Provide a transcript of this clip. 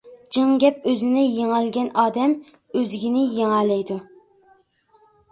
جىڭ گەپ ئۆزىنى يېڭەلىگەن ئادەم، ئۆزگىنى يېڭەلەيدۇ.